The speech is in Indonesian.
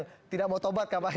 kajian masyarakat dari bawah